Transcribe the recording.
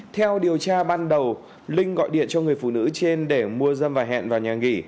theo điều tra ban đầu linh gọi điện cho người phụ nữ trên để mua dâm và hẹn vào nhà nghỉ